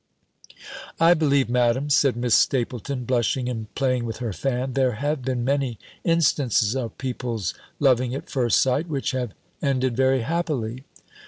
"I believe, Madam," said Miss Stapylton, blushing, and playing with her fan, "there have been many instances of people's loving at first sight, which have ended very happily."